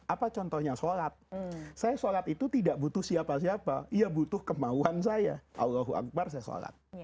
apa contohnya shalat saya shalat itu tidak butuh siapa siapa ya butuh kemauan saya allah hu akbar saya shalat